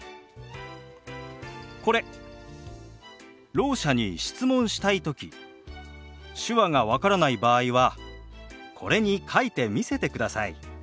ろう者に質問したい時手話が分からない場合はこれに書いて見せてください。